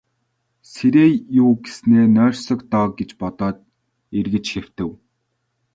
Сэрээе юү гэснээ нойрсог доо гэж бодоод эргэж хэвтэв.